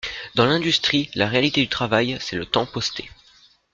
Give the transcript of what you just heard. Dans l’industrie, la réalité du travail, c’est le temps posté.